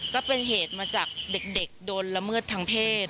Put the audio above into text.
ก็เป็นเหตุมาจากเด็กโดนละเมิดทางเพศ